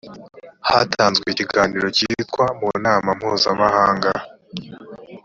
hatanzwe ikiganiro cyitwa mu nama mpuzamahanga